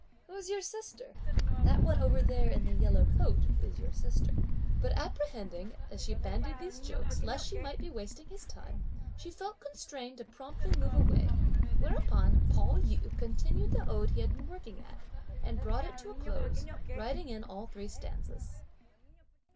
Who's your sister? that one over there in a yellow coat is your sister!" But apprehending, as she bandied these jokes, lest she might be wasting his time, she felt constrained to promptly move away; whereupon Pao yü continued the ode he had been working at, and brought it to a close, writing in all three stanzas.